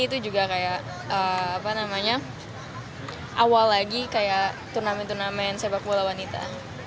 itu juga kayak awal lagi kayak turnamen turnamen sepak bola wanita